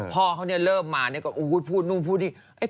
พ่อเขาเริ่มมาก็พูดนู่นพูดนี่